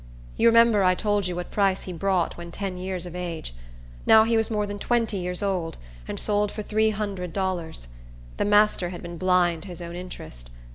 You remember, I told you what price he brought when ten years of age. Now he was more than twenty years old, and sold for three hundred dollars. The master had been blind to his own interest.